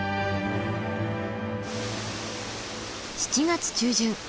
７月中旬